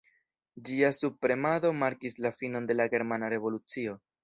Ĝia subpremado markis la finon de la Germana Revolucio.